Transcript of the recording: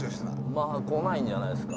まぁ来ないんじゃないですか？